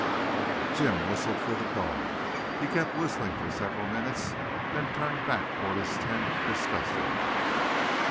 Jim whistled for the dog. He kept whistling for several minutes, then turned back toward their tent disgustedly.